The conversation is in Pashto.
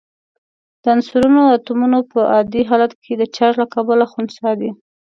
د عنصرونو اتومونه په عادي حالت کې د چارج له کبله خنثی دي.